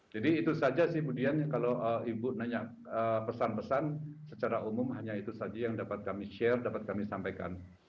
jadi itu saja sih budian kalau ibu nanya pesan pesan secara umum hanya itu saja yang dapat kami share dapat kami sampaikan